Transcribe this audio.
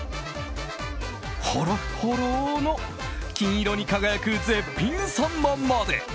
ほろっほろの金色に輝く絶品サンマまで。